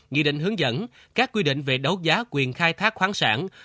nghị định hướng dẫn các quy định về đấu giá quyền khai thác khoáng sản